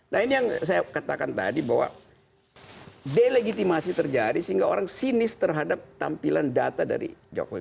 nah ini yang saya katakan tadi bahwa delegitimasi terjadi sehingga orang sinis terhadap tampilan data dari jokowi